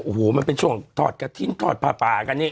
โอ้โหมันเป็นช่วงถอดกระทิ้นถอดผ้าป่ากันนี่